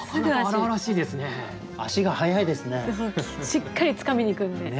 しっかりつかみにいくんで。